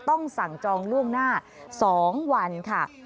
ต้องสั่งจองล่วงหน้า๒วันค่ะ